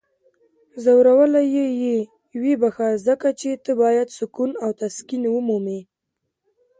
ځورولی یی یې؟ ویې بخښه. ځکه چی ته باید سکون او تسکین ومومې!